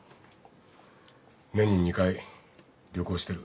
年に２回旅行してる。